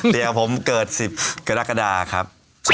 เดี๋ยวผมเกิด๑๐กรกฎาครับ